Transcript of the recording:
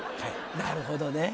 なるほどね。